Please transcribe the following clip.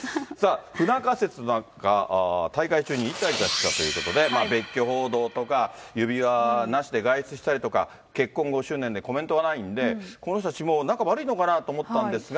不仲説の中、大会中にイチャイチャしてたということで、別居報道とか指輪なしで外出したりとか、結婚５周年でコメントがないので、この人たち、もう仲悪いのかなと思ったんですが。